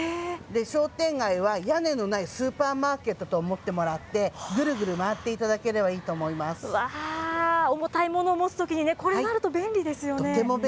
商店街は屋根のないスーパーマーケットと思ってもらって、ぐるぐる回っていただければいいと思いうわー、重たいものを持つときにね、これがあると便利ですよね。